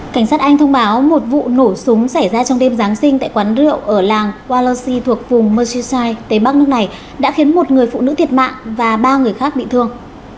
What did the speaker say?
cảnh sát anh thông báo một vụ nổ súng xảy ra trong đêm giáng sinh tại quán rượu ở làng pallasi thuộc vùng mershi tây bắc nước này đã khiến một người phụ nữ thiệt mạng và ba người khác bị thương